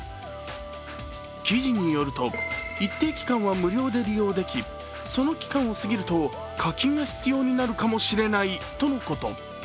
記事によると一定期間は無料で利用できその期間を過ぎると、課金が必要になるかもしれないとのこと。